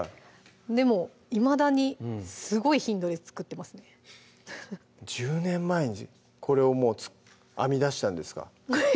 でもいまだにすごい頻度で作ってますね１０年前にこれをもう編み出したんですか？